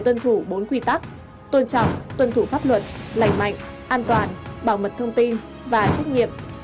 tuân thủ bốn quy tắc tôn trọng tuân thủ pháp luật lành mạnh an toàn bảo mật thông tin và trách nhiệm